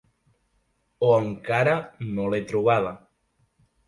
O encara no l'he trobada.